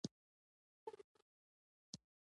• لمر د وخت اندازې لپاره یوه مهمه مرجع ده.